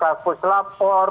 mereka itu sudah melakukan